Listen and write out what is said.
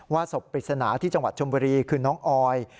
ศพปริศนาที่จังหวัดชมบุรีคือน้องออย